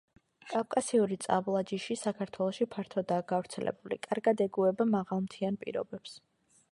კავკასიური წაბლა ჯიში საქართველოში ფართოდაა გავრცელებული, კარგად ეგუება მაღალმთიან პირობებს.